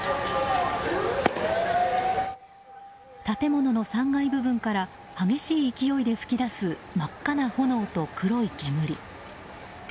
建物の３階部分から激しい勢いで噴き出す真っ赤な炎と黒い煙。